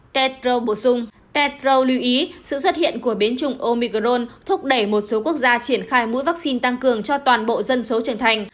ted rowe lưu ý sự xuất hiện của biến chủng omicron thúc đẩy một số quốc gia triển khai mũi vaccine tăng cường cho toàn bộ dân số trưởng thành